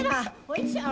おいしょ！